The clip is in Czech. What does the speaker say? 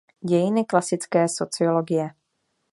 Dějiny klasické sociologie.